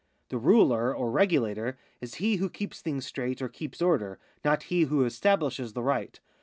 The ruler or regulator is he who keeps things straight or keeps order, not he who estabhshes the right.